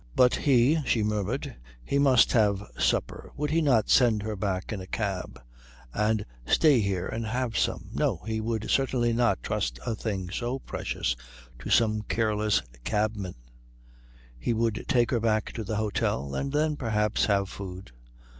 But he, she murmured, he must have supper would he not send her back in a cab and stay here and have some? No, he would certainly not trust a thing so precious to some careless cabman; he would take her back to the hôtel, and then perhaps have food.